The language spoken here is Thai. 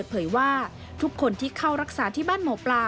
ว่าทุกคนที่เข้ารักษาที่บ้านหมอปลา